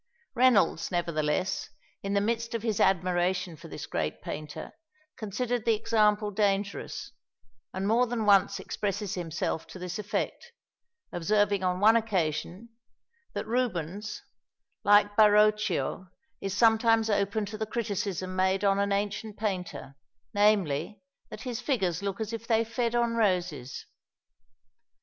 Reynolds, nevertheless, in the midst of his admiration for this great painter, considered the example dangerous, and more than once expresses himself to this effect, observing on one occasion that Rubens, like Baroccio, is sometimes open to the criticism made on an ancient painter, namely, that his figures looked as if they fed on roses.